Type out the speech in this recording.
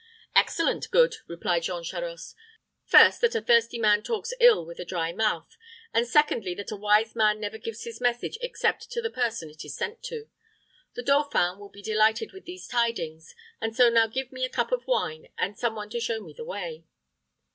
"Excellent good," replied Jean Charost. "First, that a thirsty man talks ill with a dry mouth; and, secondly, that a wise man never gives his message except to the person it is sent to. The dauphin will be delighted with these tidings; and so now give me a cup of wine, and some one to show me the way."